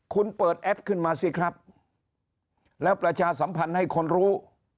คุณเปิดแอปขึ้นมาสิครับแล้วประชาสัมพันธ์ให้คนรู้